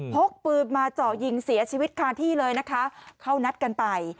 พกปืนมาเจาะยิงเสียชีวิตคาที่เลยนะคะเข้านัดกันไป